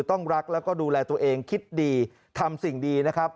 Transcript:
ต้องรักแล้วก็ดูแลตัวเองคิดดีทำสิ่งดีนะครับ